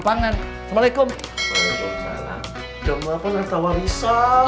udah mau nonton harta warisan